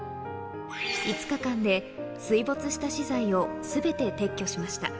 ５日間で、水没した資材をすべて撤去しました。